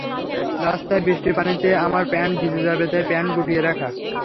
রাস্তার বৃষ্টির পানিতে আমার প্যান্ট ভিজে যাবে, তাই প্যান্ট গুটিয়ে রাখা।